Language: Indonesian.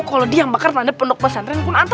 kalau dia bakal tanda pendok pesantren kunanta